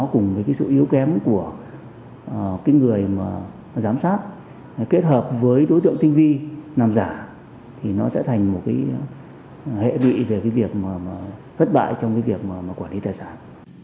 cùng với cái sự yếu kém của cái người mà giám sát kết hợp với đối tượng tinh vi làm giả thì nó sẽ thành một cái hệ lụy về cái việc thất bại trong cái việc mà quản lý tài sản